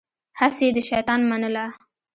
هسې يې د شيطان منله.